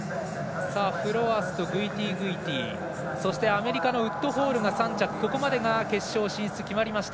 フロアスとグイティグイティそしてアメリカのウッドホールが３着、ここまでが決勝進出決まりました。